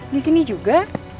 di sini juga